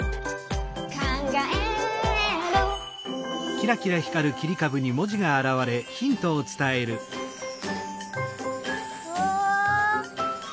「かんがえる」うわ！